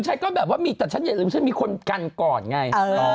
ฉันก็แบบว่าแต่ฉันยังไม่รู้ว่าฉันมีคนกันก่อนไง